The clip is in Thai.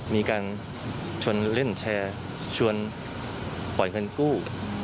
มีการชวนเล่นแชร์ชวนปล่อยเงินกู้